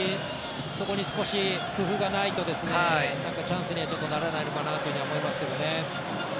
そこに少し工夫がないとチャンスにはならないのかなと思いますけどね。